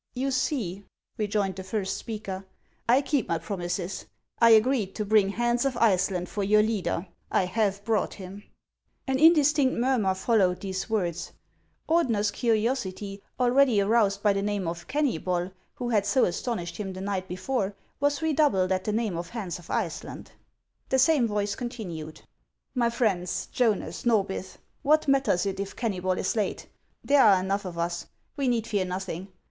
" You see," rejoined the first speaker, " I keep my promises. I agreed to bring Hans of Iceland for your leader. I have brought him." An indistinct murmur followed these words. Ordener's curiosity, already aroused by the name of Kennybol, who had so astonished him the night before, was redoubled at the name of Hans of Iceland. The same voice continued :—" My friends, Jonas, Norbith, what matters it if Kenuy bol is late ? There are enough of us ; we need fear nothing.